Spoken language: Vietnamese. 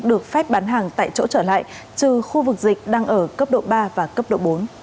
được phép bán hàng tại chỗ trở lại trừ khu vực dịch đang ở cấp độ ba và cấp độ bốn